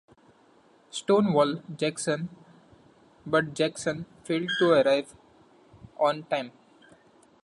"Stonewall" Jackson, but Jackson failed to arrive on time.